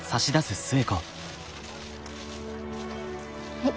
はい。